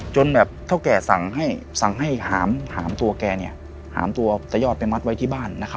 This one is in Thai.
จนแบบเท่าแก่สั่งให้หามตัวแกหามตัวตะยอดไปมัดไว้ที่บ้าน